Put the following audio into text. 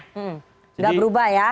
tidak berubah ya